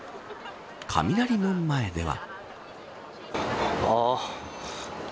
雷門前では。